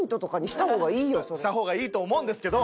した方がいいと思うんですけど。